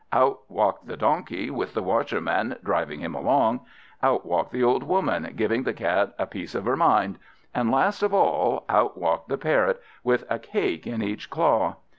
out walked the donkey, with the Washerman driving him along; out walked the old Woman, giving the Cat a piece of her mind; and last of all, out walked the Parrot, with a cake in each claw.